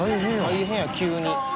大変や急に。